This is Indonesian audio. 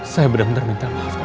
saya benar benar minta maaf